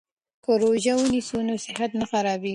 که روژه ونیسو نو صحت نه خرابیږي.